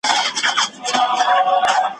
ایا د پاني پت جګړه ډېره مهمه وه؟